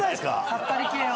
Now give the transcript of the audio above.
さっぱり系。